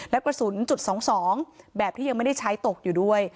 และกระสุนจุด๒๒แบบที่ยังไม่ได้ใช้ตกอยู่ด้วย